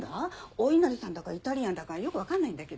お稲荷さんだがイタリアンだかよく分かんないんだけど。